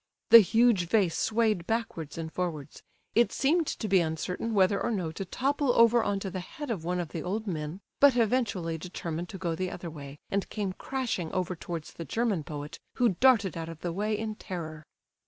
The huge vase swayed backwards and forwards; it seemed to be uncertain whether or no to topple over on to the head of one of the old men, but eventually determined to go the other way, and came crashing over towards the German poet, who darted out of the way in terror.